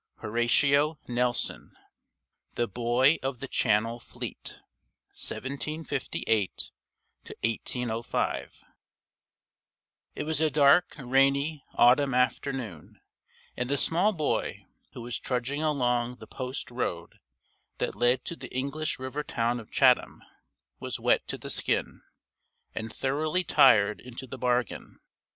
XI Horatio Nelson The Boy of the Channel Fleet: 1758 1805 It was a dark, rainy autumn afternoon, and the small boy, who was trudging along the post road that led to the English river town of Chatham, was wet to the skin, and thoroughly tired into the bargain.